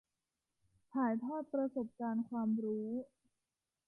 ถ่ายทอดประสบการณ์ความรู้